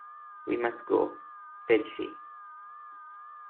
"We must go," said she.